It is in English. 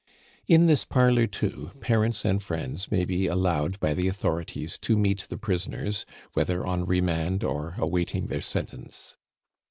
In this parlor, too, parents and friends may be allowed by the authorities to meet the prisoners, whether on remand or awaiting their sentence.